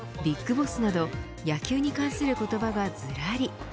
ＢＩＧＢＯＳＳなど野球に関する言葉がずらり。